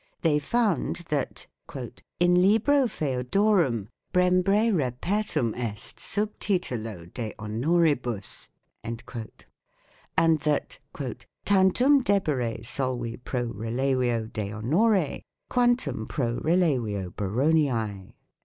They found that " in Libro Feodorum Brembre repertum est sub titulo de Honor ibus," and that "tantum debere solvi pro relevio de Honore quantum pro relevio Baroniae".